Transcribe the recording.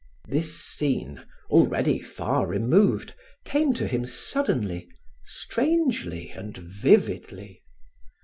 This scene, already far removed, came to him suddenly, strangely and vividly.